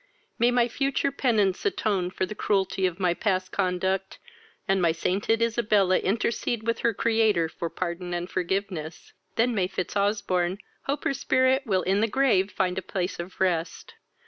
May my future penitence atone for the cruelty of my past conduct, and my sainted Isabella intercede with her Creator for pardon and forgiveness! Then may Fitzosbourne hope her spirit will in the grave find a place of rest.